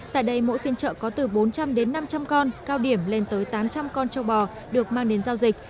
tại đây mỗi phiên chợ có từ bốn trăm linh đến năm trăm linh con cao điểm lên tới tám trăm linh con châu bò được mang đến giao dịch